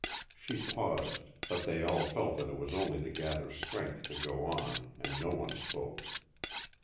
She paused, but they all felt that it was only to gather strength to go on, and no one spoke.